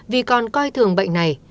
vì còn coi thường bệnh này